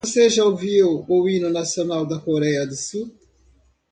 Você já ouviu o hino nacional da Coreia do Sul?